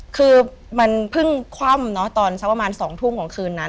คือมันเพิ่งคว่ำเนอะตอนสักประมาณ๒ทุ่มของคืนนั้น